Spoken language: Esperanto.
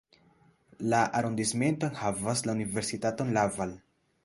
La arondismento enhavas la universitaton Laval.